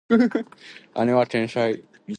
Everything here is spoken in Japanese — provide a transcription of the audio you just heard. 姉は天才である